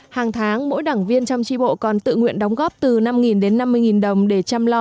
hàng tháng mỗi đảng viên trong tri bộ còn tự nguyện đóng góp từ năm đến năm mươi đồng để chăm lo